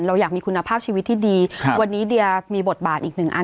เราอยากมีคุณภาพชีวิตที่ดีวันนี้เดียมีบทบาทอีกหนึ่งอัน